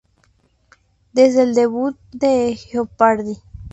Desde el debut de "Jeopardy!